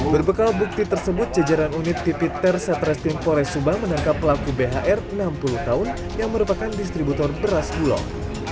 berbekal bukti tersebut jejaran unit tipi terset restin polres subang menangkap pelaku bhr enam puluh tahun yang merupakan distributor beras bulog